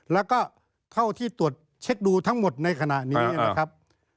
แล้วก็เข้าที่ตรวจเช็คดูทั้งหมดในขณะนี้นะครับ